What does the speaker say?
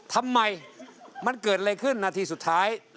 ทำไมมันเกิดอะไรขึ้นนาทีสุดท้าย